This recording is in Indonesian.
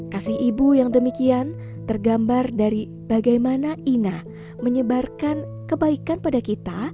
kasih ibu yang demikian tergambar dari bagaimana ina menyebarkan kebaikan pada kita